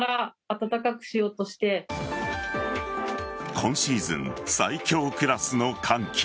今シーズン最強クラスの寒気。